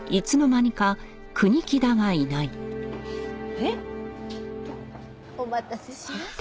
えっ？お待たせしました。